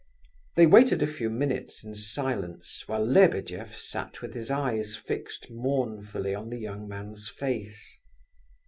They waited a few minutes in silence, while Lebedeff sat with his eyes fixed mournfully on the young man's face.